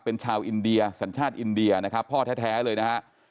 เป็นชาวอินเดียสัญชาติอินเดียนะครับพ่อแท้เลยนะฮะ